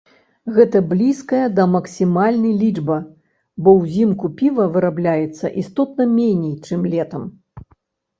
Гэта блізкая да максімальнай лічба, бо ўзімку піва вырабляецца істотна меней, чым летам.